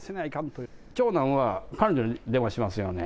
長男は、彼女に電話しますよね。